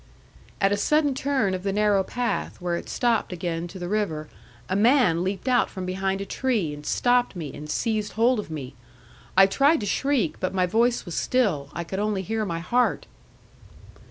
'At a sudden turn of the narrow path, where it stopped again to the river, a man leaped out from behind a tree, and stopped me, and seized hold of me. I tried to shriek, but my voice was still; I could only hear my heart.